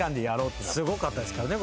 すごかったですからね